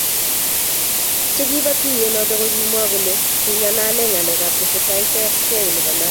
Che kiba tuiyet noto ko kimwa kole kingalalee ngalek ab tesetaetabkei nebo Nandi